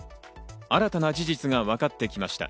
新たな事実が分かってきました。